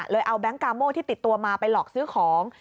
เอาแก๊งกาโม่ที่ติดตัวมาไปหลอกซื้อของ